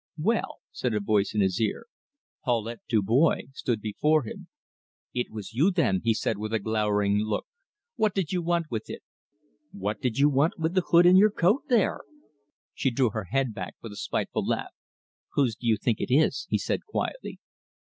"Well!" said a voice in his ear. Paulette Dubois stood before him. "It was you, then," he said, with a glowering look. "What did you want with it?" "What do you want with the hood in your coat there?" She threw her head back with a spiteful laugh. "Whose do you think it is?" he said quietly.